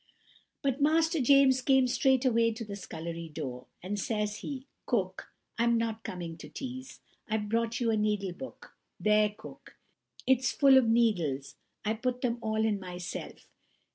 "But Master James came straight away to the scullery door, and says he, 'Cook, I'm not coming to teaze. I've brought you a needle book. There, Cook! It's full of needles. I put them all in myself.